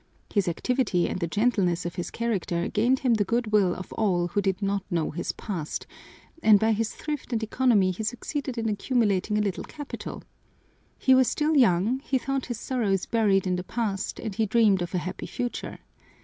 His activity and the gentleness of his character gained him the good will of all who did not know his past, and by his thrift and economy he succeeded in accumulating a little capital. He was still young, he thought his sorrows buried in the past, and he dreamed of a happy future.